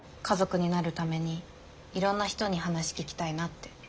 家族になるためにいろんな人に話聞きたいなって。